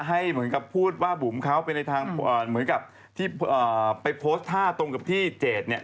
ให้เหมือนกับพูดว่าบุ๋มเขาไปในทางเหมือนกับที่ไปโพสต์ท่าตรงกับที่เจดเนี่ย